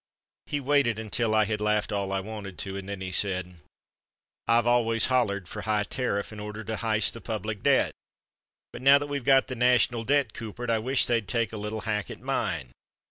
He waited until I had laughed all I wanted to and then he said: "I've always hollered for high terriff in order to hyst the public debt, but now that we've got the national debt coopered I wish they'd take a little hack at mine.